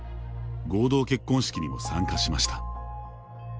合同結婚式にも参加しました。